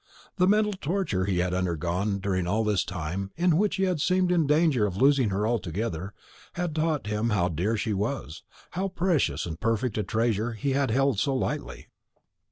The mental torture he had undergone during all this time, in which he had seemed in danger of losing her altogether, had taught him how dear she was how precious and perfect a treasure he had held so lightly.